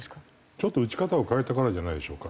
ちょっと打ち方を変えたからじゃないでしょうか？